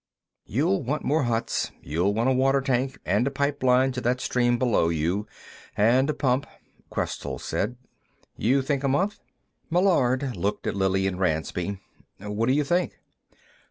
"] "You'll want more huts. You'll want a water tank, and a pipeline to that stream below you, and a pump," Questell said. "You think a month?" Meillard looked at Lillian Ransby. "What do you think?"